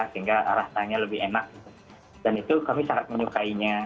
sehingga rasanya lebih enak dan itu kami sangat menyukainya